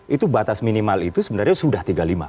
itu batas minimal itu sebenarnya sudah tiga puluh lima